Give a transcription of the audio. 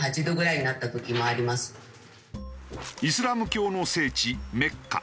イスラム教の聖地メッカ。